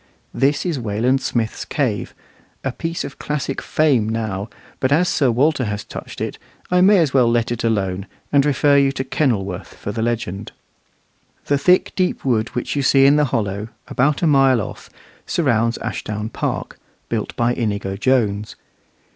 This is Wayland Smith's cave, a place of classic fame now; but as Sir Walter has touched it, I may as well let it alone, and refer you to "Kenilworth" for the legend. The thick, deep wood which you see in the hollow, about a mile off, surrounds Ashdown Park, built by Inigo Jones.